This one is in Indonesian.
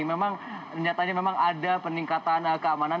memang nyatanya memang ada peningkatan keamanan